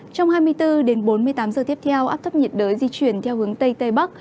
trong hai mươi bốn đến bốn mươi tám giờ tiếp theo áp thấp nhiệt đới di chuyển theo hướng tây tây bắc